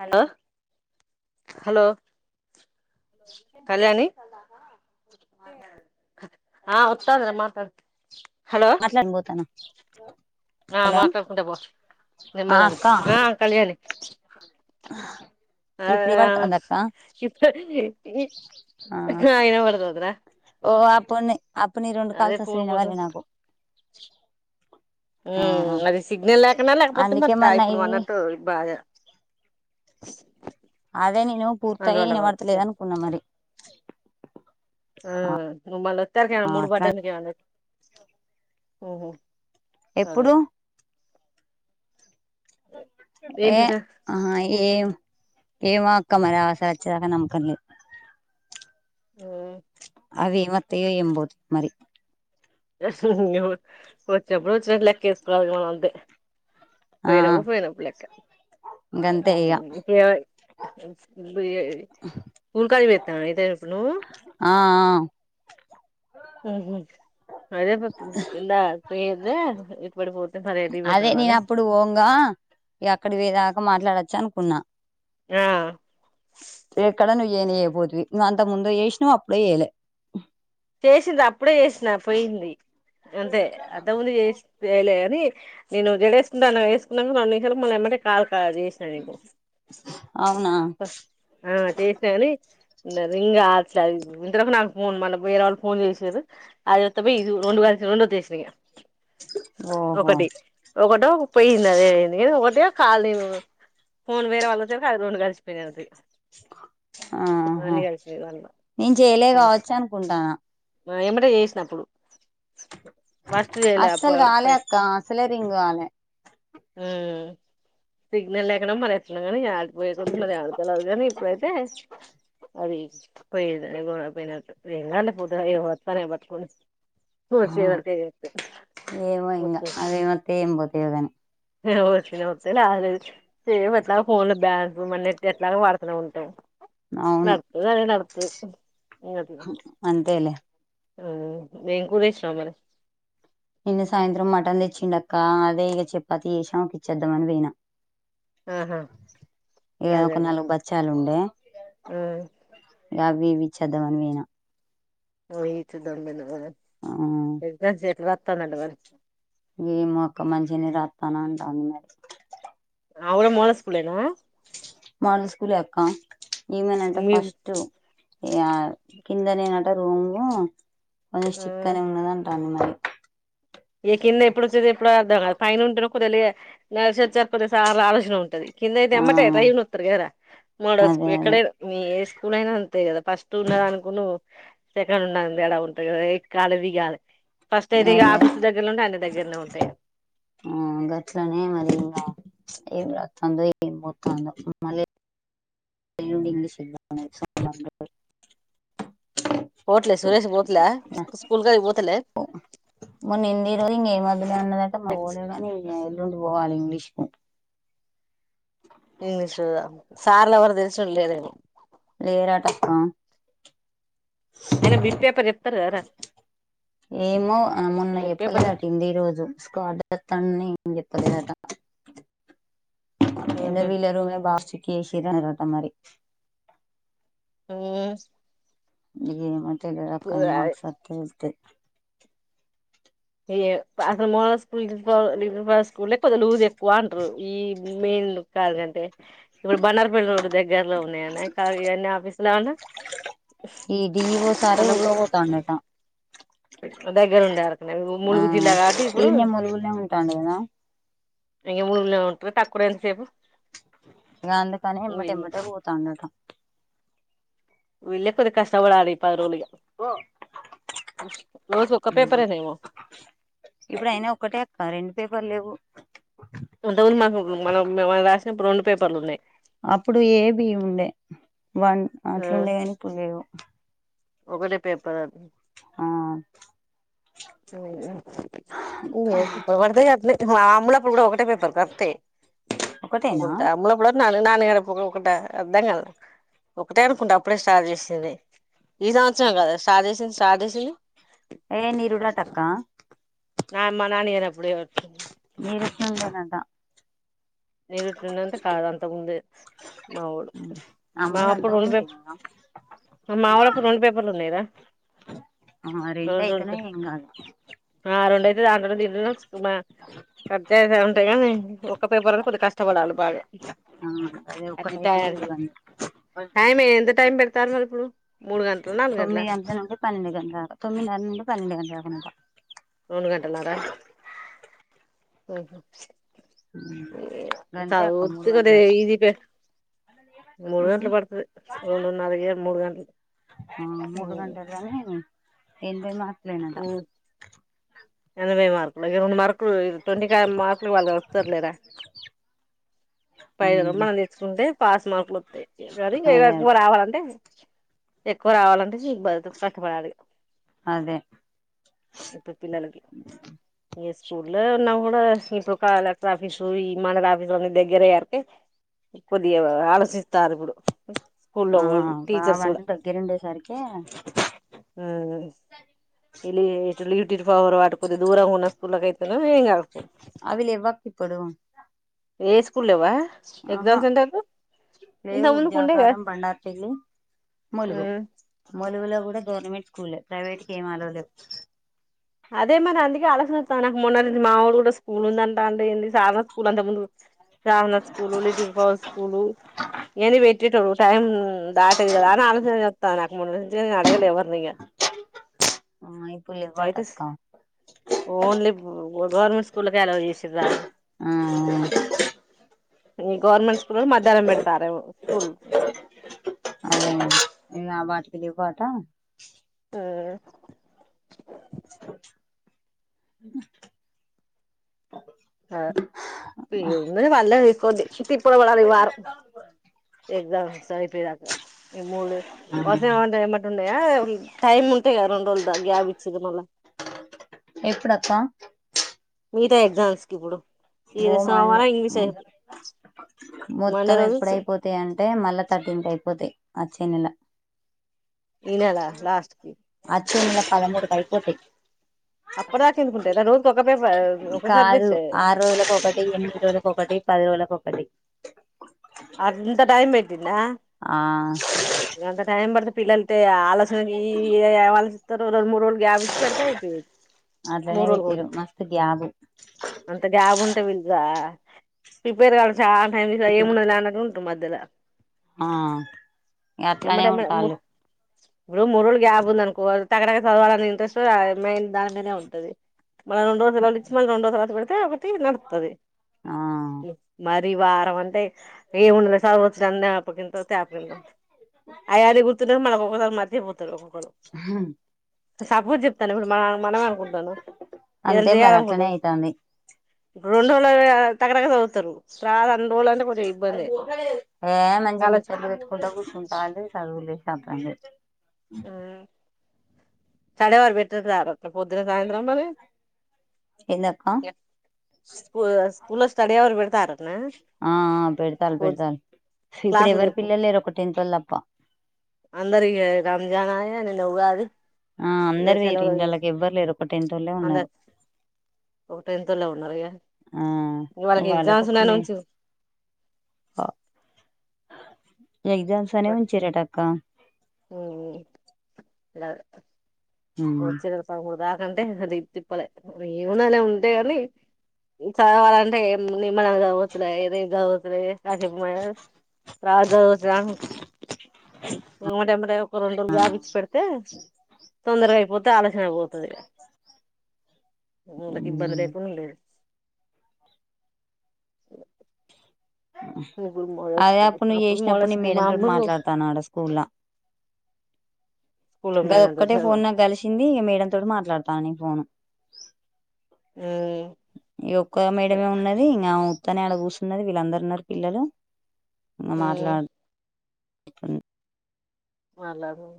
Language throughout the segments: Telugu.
Hello hello. కళ్యాణి ఆహ్. ఇస్తారు కదా మాట్లాడు. మాట్లాడి పోతున్న. ఆహ్ మాట్లాడుకుంటా పో ఆ నిమ్మల్లం అక్క ఆహ్ కళ్యాణి. ఇప్పుడు ఆహ్ ఇనపడుతుంది అక్క ఇప్పు. ఆ ఆహ్ వినబడతది రా. ఓ అప్పున్నీ అప్పుడు నీ రెండు కాల్స్ వస్తే కోసం వినపడలే నాకు. ఆ ఉమ్ అది సిగ్నల్ లేకనా లేకపోతే అందుకే మంత మొన్న ఇప్పుడు నువ్వు ఇవి అనట్టు బాగా. అదే నేను పూర్తయ్ అందువల్ల కావచ్చు వినబడతలేదు అనుకున్నా మరి. ఆ మమళీ ఒత్తరికి ఆ మూడు అట్లా పడ్డానికిేహ ఎప్పుడు ఏ ఏంటిదిరా ఆహా ఏ ఏమో అక్క మరి ఆ [unintelligible] నమ్మకం లేదు ఆ అవే మత్తయ్యో ఎబోద్ మరి [unintelligible] అంతే [unintelligible] ఆ గంతే ఇగ [unintelligible] అయితే ఇప్పుడు నువ్వు ఆ [unintelligible] అదే పోతున్నావ్ నేన అని అప్పుడు ఓంగ అక్కడి వేదాకా మాట్లాడచ్చు అనుకున్నా ఆ ఏనే ఏబోద్వి నువ్ అంత ముందు ఏేస నువ్ అప్పుడుే ఏేలే చేసింది అప్పుడే చేసిన పోయింది అంతే అద్దముంది చేసి వయలే అని నేను జడేకున్నా వేసుకున్నాక రెండు నిమిషాల మళ్ళ ఏమై కా చేసినా నీకు అవునా ఆ చేసినాని [unintelligible] వేరే వాళ్ళ ఫోన్ చేసి [unintelligible] ఓహో ఒకటి ఒకటి ఒక పోయయింది అదే పోంది ఒకటి కాాల ఫోన్ వేరే వాళ్ళచ్చ అది రెండు కలిసి పోయినది ఆహా దాంట్లో నేను చేయలే కావచ్చు అనుకుంటానా ఏమట చేసినప్పుడు ఫస్ట్ చేయలే అస్సలు కాలే అక్క అసలే రింగ్ కాలే ఆ సిగ్నల్ లేకుండా మరి ఎత్తన్నాం కాగాని ఆడిపోయేక మరి ఆడతలదు కానీ ఇప్పుడైతే అది పోయ పోయినట్ ఏంగాంట పోతు ఏ వస్తానే పటుకని ఏమో ఇంగ అదేమతే ఏం పోతాయో గాని [unintelligible] వచ్చిన వచ్చాదు సేమ్్ అట్లా ఫోన్లు బ్యాన్ మన్నట్ ఎట్లాగ వాడుతనే ఉంటాం అవును నడుతు అనే నడుతు ఏ అంతేలే నేను కూడా చేసిన నిన్న సాయంత్రం మటన్ తెచ్చిండక్క అదే ఇక చపాతి చేసా ఒక ఇచ్చేద్దామని వయినా ఆహా ఇ ఒక నాలుగు బచ్చాలు ఉండ ఆ అవి ఇవి చదవని పోయిన ఆ ఈచ్చ దొంగలు ఆ మరి ఇ మక్క మంచినే రాత్ర తనంట అ మ అవును మోడల్ స్కూల్ ఏ నా మోడల్ స్కూల్ అక్క ఏమనంట మీ ఫస్ట్ యా కిందనేేనాట రూం కొంచెం ఆ స్క్ తనే ఉన్నదా కన్నా ఈ కింద ఎప్పుడు వచ్చేది ఎప్పుడు అర్థం కదదు పైన ఉంటేన కొద్దిగా నసి వచ్చారు కొద్ది సార్ ఆలోచన ఉంటది కిందయితే ఆ అమ్మటేయి అయనొత్తరు గదా మోడో స్ అదే అదే ఎక్కడైనా మీ స్ూలైనా ఉంతాయి కదా ఫస్ట్ ఉండద అనుకు సెకండ్ ఉన్న ఎ ఉంటాంది కదా ఎ కాలువిగాాలదు ఫస్ట్ అయితే ఇక అదే ఆఫీస్ దగ్గరలో ఉంటే ఆన దగ్గరలోనే ఉంటాయా ఆ గట్లనే మరి ఏం రా స్తుంద మత్తంద మల తెడి ఇంగ్లీష [unintelligible] పోట్లే సురేష్ పోతులే రోజున స్కూల్ గ పోతులే మొన్న ఎన్ని రోజులు ఇగా ఏం వద్దులే అన్నదంట ఇగా పోలేదు కానీ ఇగా ఎల్లుండి పోవాలి ఇంగ్లీష్ కి ఇంగ్లీష్ చూద్దాం సార్లు ఎవరు తెలిసినవాళ్ళు లేరేమో లేరంట ఆ ఆయన బీట్ పేపర్ చెప్తారు కదా రా ఏమో మొన్న చెప్పలేదు అంట హిందీ రోజు స్డ్త్తని ఏం చెప్ లేదంట అయినా ఊహూ వీళ్ళ రూమ్ బాగా స్ట్రిక్ట్ షిఫ్ట్ చేసిర్రు అంట మరి మ్మ్ ఏమో తెలియదు అక్క మాక్స్ వస్తే తెలుస్తది ఏ అసలు మోనో స్కూల్ లిఫా ఫోర్ స్కూలే కొంచెం లూస్ ఎక్కువ అంటారు ఇ ఉండు కాదంటే ఇప్పుడు బనార్పల్లి రోడ్ దగ్గరలో ఉన్నాయన్న ఇవన్నీ ఆఫీస్లు ఇవన ఈ డి ఈ ఓ సారే ఓకే పోతాండట దగ్గర ఉండే వరకే ఆ ములుగు జిల్లా కాబట్టి ఇప్పుడు ఈన్నే ములుగుల్నే ఉంటాండు కదా ఇగా ములుగు లా ఉంటరు తక్కువఅంతసేపు ఇగా అందుకనే ఎమ్మటేమ్మటే పోతాండట వెళ్ళ కొది కష్ట కష్టపడాలి పది రోజులు ఇగా రోజు ఒక్క పేపర్ ఏమో ఇప్పుడు అయిన ఒక్కటే అక్క రెండు పేపర్లు లేవు ఇంతక ముందు మాకు మనం మేము రాసినప్పుడు రెండు పేపర్లు ఉన్నాయి అప్పుడు ఏ బి ఉండే వన్ ఆ అట్లు ఉండే కాని ఇప్పుడు లేవు ఒకటే పేపర్ ఆ ఇగా ఇప్పుడుపడితే అట్లే మామ్ళప్పుడు కూడా ఒకటే పేపర్ కరెక్టే ఒకటేనా అమ్ములు అప్పుడు నాలుగునాలుగు అని ఎప్పుడు ఉకుంటా అర్థం కాలే ఒకటే అనుకుంటే అప్పుడే స్టార్ట్ చేసింది ఈ సంవత్సరం కాదా స్టార్ట్ చేసింది స్టార్ట్ చేసింది ఏ నీరుడంట అక్క హ మా నాని లేనపుడు ఏమోదు ఇరుస్తుండె నట ఇది ఇంత ఉందంటే కాదు అంతకు ముందే మావో మా అమ్ములు అప్పుడు అంతకు రెండు ముందే పేపర్ కదా మావోల్లపుడు రెండు పేపర్లు ఉన్నాయిరా ఆ రెండు రెండయితునే రెండు ఎం కాదు ఆ రెండు దాంట్లో దింలో మా కట్ అయితే ఉంటాయి కానీ ఒక్క పేపర్ లో కష్టపడాలి బాగా అదొక్కటి అది అయితేనే ఇగా టయానికి భయం టైం ఎంత టైం పెడతారు మరి ఇప్పుడు మూడు గంటల నాలుగు తొమిది గంటల నుండి పనేడు గంటల వరకు తొమ్మిది ఉన్న తొమిది నుండి పనేడు గంటల వరకు అంట రెండు గంటల నారా గంతే అక్క మూడు చదవొచ్చుగా గంటలట ఈజినే మూడు గంటలు పడుతుది రెండుడు నారా ఇగా మూడు గంటలు ఆ మూడు గంటలుగాని ఎనిభై మార్కులేనట ఎనభై మార్కులా రెండు మార్కులు ట్వంటీ ఫైవ్ మార్కులు వాళ్ళ కలుపుతారు లేరా పై మనం తీచ్చుకుంటే పాస్ మార్కులు వస్తాయి ఇగా అదే అదే ఎక్కువ రావాలంటే ఎక్కువ రావాలంటే కష్టపడాలి అదే ఇప్పుడు పిల్లలకి ఏ ఇగా స్కూల్లో ఉన్నపుడు అదేదోకలెక్టర్ ఆఫీస్ ఈ మండల్ ఆఫీస్ దగ్గర ఏ వరకే కొద్దిగా ఆలోచిస్తారు ఇప్పుడు స్కూల్లో ఆ వాళ్ళు టీచర్స్ కూడా అవన్నీ దగ్గరుండేసరికి ఇల్లు ఈటు ఫవర్ అటు కొద్ది దూరంగా ఉన్న స్కూల్లో అయితేను ఏం కాకో ఇప్పుడూ ఏ స్కూల్ లేవా ఎగ్జామ్స్ సెంటర్ లు లేవు జాతారం బండార్పిలి ములుగు ఉమ్ ములుగులో కూడా గవర్మెంట్ స్కూల్ ప్రైవేట్ కేం అలో లేదు అదే మరి అందుకే ఆలోచన చేస్తాన్న నాకు మొన్నటి నుండి మా ఊళ్ళో కూడా స్కూల్ ఉంద అ అంటండు ఏంది శ్రావణ స్కూల్ అంత ముందు శ్రావణ స్కూలు లిటిల్ ఫ్యావ్ స్కూలు ఏంది పెట్టిట్డు టైం దాటదు కదా అని ఆలోచన చేస్తున్న ముందు నుంచే అడగలే ఎవర్ని అయిపోయే వాటు అయితే అక్క ఓన్లీ గవర్నమెంట్ స్కూల్లో జాయిన్ చేసిరా ఆ ఈ గవర్నమెంట్ స్కూల్ మధ్యాహ్నం పెడతారు ఏమో స్కూల్ అదే నిన్న వాటిలికి పోతా ఆ అ ఆ ఉన్నది వాళ్ళ [unintelligible] తిప్పలు పడాలి ఈ వారం ఎగ్జామ్స్ అయిపోయాక ఈ మూడు [unintelligible] టయా టైమ్ ఉంటది కదా రెండు రోజులు గ్యాబ్ ఇచ్చిళ్ళు మల్ల ఎప్పుడు అక్కా మిగతా ఎగ్జామ్స్ కి ఇప్పుడు ఈ ఓ మండే సోమవారం ఇంగ్లీష్ ఉమ్ అయిపో మండే మొత్తం రోజు ఎప్పుడైపోతాయి అంటే మళ్ళా తట్టింటి అయిపోతాయి ఆచ్చేనెల ఈ నెలా లాస్ట్కి జూన్ల పదమూడు కి అయిపోతాయి అప్పటిదాక ఎందుకుంటాయి రా రోజుకి ఒకే పేపర్ ఒక కాదు సబ్జెక్ట్ ఆరు రోజులలకు ఒకటి ఎనిమిది రోజుక ఒకటి పది రోజులకు ఒకటి అదంత టైమ్ పెట్టిందా ఆ ఇదంత టైమ్ పడుతే పిల్లల్ తే ఆలోచనాలకి ఇయ్యి ఇయ్యి ఎ ఆలోచస్తారు ఓ రొండు మూడు రోజులు గ్యాప్ ఇచ్చి పెడితే అయిపోయే అట్లనే పెట్టారు మస్తు గ్యాప్ అంత గ్యాప్ ఉంటే ప్రిపేర్ కా చా టైం ఏ ఉన్నదా మద్దల ఆ అట్లనే ఇగ ఎమ్మటెమ్మటే ఉంటల్లు ఇప్పుడు మూడు రోజులు గ్యాబ్ ఉంది అకో తగడా చదవాలని ఇంట్రెస్ట్ మైం దాంట్నే ఉంటది మళ్ళ రెండు రోజులళు ఇచ్చి మళ్ళీ రెండు రోజుల తర్వాత పెడితే ఒకటి నడుతది ఆ మర్ దది వారం అంటే ఏ ఉండ సవచ్చ చందప్పకింత [unintelligible] అయన్నీ గుర్తుంట మనకు ఒక్కసారి మర్చపోతారు హా సపోజ్ చెప్తన ఇప్పుడు మన మనమే అనుకుంటాను ఏదనా అంతే చేయాలి మరి అట్లనే అనుకుంటం అయితాంది రెండు రోజులు అయినా టకటక చదువుతరు రండు రోజులు అంటే కొంచెం ఇబ్బందే ఎ నాతో కాల ముచ్చట్లు పెట్టుకుంట కుసుంటే సగ్ చదువు లే సంతన లే సడేవారు [unintelligible] పెట్ట పొద్దుిన సాయంత్రం మరి ఏంది అక్క స్కూ స్కూల్ లో స్టడీవరు పేడతార టన పోదు సి ఇప్పుడు ఎవరు పిల్ల లేరు ఒక టెన్ట్ వాళ్ళ తప్ప అందరూ ఇగ రంజాన్ అయ నిన్న ఉగాది ఆ ఇగ అందరు వేరు సెలవు ఇళ్ళలోకి ఎవ్వరు లేరు ఒకటె ఇంటిల్లే అందరు ఉన్నారు ఒక టెన్త్ వోల్లే ఉన్నారు ఇగ ఆ వాళ్ళకి వాళ్ళకు ఎగ్జామ్స్ ఒక ఉన్నాయను మే ఉంచ ఆ ఎగ్జామ్స్ అనే విచ్చిరటక్క లేవు వచ్చే నెల పద మూడు దాక అంటే అసలే తిప్పలే మరి ఏమన్ననే ఉంటయని చదవాలంటే ఏ నిమ్మలంగా చదవచ్చులే ఏది చడ్ కాశపు మ త్రా జ స [unintelligible] ఎమ్మటే ఒకటె ఒక రెండు రోజులు గపిచ్చి పెడితే తొందరగా అయిపోతే ఆలోచన పోతుంది వాళ్ళకి ఇబ్బంది లేయికుండా లేదు ఇప్పుడు మొ అదే స్క నువ్వు అప్పుడు మ చేసినప్పుడు నీ స్కు మేడం తోటి మాములు మాట్లాడతాను [unintelligible] ఆడ స్కూల్లా గది తోటి ఒక్కటే ఫోన్ చదివాను నాకు కలిసింది ఇగ మేడం తోటి మాట్లాడతాను నీ ఫోను మ్మ్ ఈ ఒక్క మేడమే ఉన్నది ఇంగ ఆ ఉత్తనే అడ కూర్చన్నది వీళ్ళందరు న్నారు పిల్లలు ఇకా మ్మ్ మాట్లాడు మాట్లాడదాం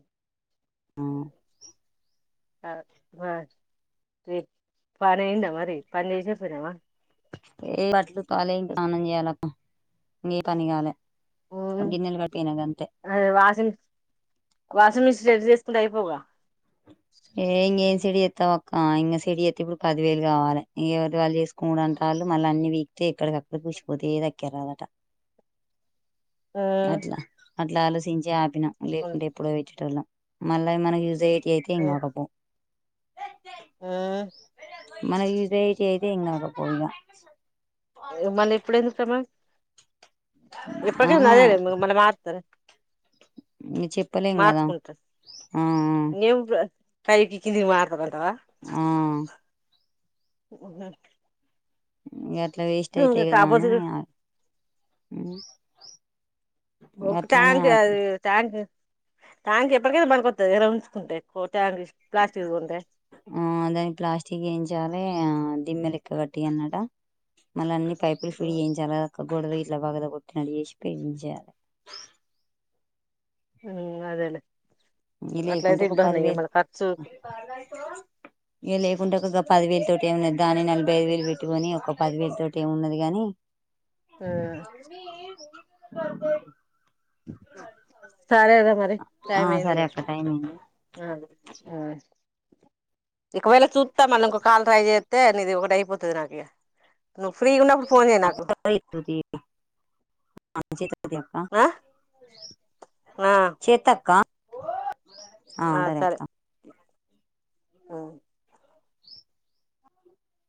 ఉం ఆ ఆ రీ పని అయందా మరి పని చేసే పోయినవా ఏ పట్లు కాాల ద్యానం చేయాలక్క ఇం పని కాల [unintelligible] ఉమ్ ఆది వాషింగ్ వాషింగ్ మిస్ ఉంటే అయిపోవుగా ఏం చేస్ చెడి చేత్తవ్ అక్క ఇంకా చెడు చెత్తే ఇప్పుడు పదివేలు కావాలి ఎవరిది వాళ్ళు చేసుకో అంట వాళ్ళు మళ్ళీ అన్ని వీక్ క్కడికక్కడ కూర్సిపోతే ఏది అక్కర రాదట ఉమ్ అట్లా అట్లా ఆలోచించే ఆపినం ఉమ్, లేకుంటే ఎప్పుడో పెట్టే టోల్లం మళ్ళ మనం యూజ్ అయ్య ఏం ఉమ్, గాకపో ఉమ్. మనకి యూజ్ అయ్యేటివి అయితే ఏం కాకపోవు ఇంకా మళ్ళీ ఇప్పుడు ఏ చూస్తామా ఇప్పటికైనా ఆహా అదేలే మళ్ళీ మాట్లాడతారే ఇంగ చెప్పలేం కదా మార్చుకుంట ఆ ఇంకేం పైకి కిందికి మారతాది అంటావా ఆ ఉ ఉన్నన్ ఇక అట్లా వేస్ట్ అయితయి కదా అనీ ఉమ్ ఒక ట్యాంక్ ఆపి అది ట్యాంక్ ట్యాంక్ ఎప్పటికైనా పనికొత్తది కదరా ఉంచుకుంటే ట్యాంక్ ప్లాస్టిక్ ఉంటే ఉమ్ దాని ప్లాస్టింగ్ వేయించాలి ఆ దిమ్మలు ఎక్కగట్టి అన్నాట మళ్ళీ అన్ని పైపులు ఫిట్ చేయించాలా కదక్క గోడ వికి ఇట్ల పగలకొట్టి వేసి పెయింట్ చేయాలి ఉమ్ అదేలే ఇది లేకుంటే అట్లయితే ఒక ఇబ్బంది ఇగ పదివేలు మళ్ళ ఖర్చు ఇగా లే కుంటే ఒక పది వేలు తోటి ఏ ఉన్నది దాన్ని నలభై ఐదు వేలు పెట్టీకోని ఒక పదివేలు తోటి ఏమి ఉన్నది కాని ఉమ్, కద సరే రా మరి ఆ టైమ్ అయింది సరే కదా అక్క టైం ఆ ఆ ఒకవేళ చుత్తా మళ్ళ ఇంకో కాలు ట్రై చేస్తే నీది ఒకటి అయిపోతుంది నాది నువ్వు ఫ్రీ ఉన్నప్పుడు ఫోన్ చేయ్ నాకు [unintelligible] అక్క ఆ ఆ చేత్తా అక్క ఆ సరే అక్క ఉమ్